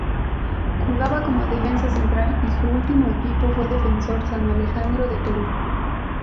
Jugaba como defensa central y su ultimo equipo fue Defensor San Alejandro de Perú.